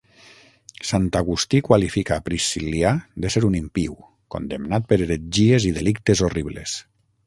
Sant Agustí qualifica a Priscil·lià d'ésser un impiu, condemnat per heretgies i delictes horribles.